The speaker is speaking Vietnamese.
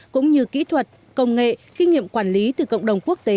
cũng như kỹ thuật công nghệ kinh nghiệm quản lý từ cộng đồng quốc tế